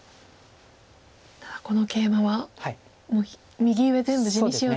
ただこのケイマはもう右上全部地にしようと。